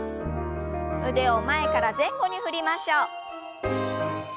腕を前から前後に振りましょう。